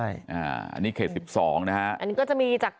อันนี้ก็จะมีก็จะมีก็จะมีก็จะมี